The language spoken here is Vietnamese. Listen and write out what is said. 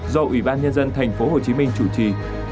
do ủy ban nhân dân tp hcm chủ trì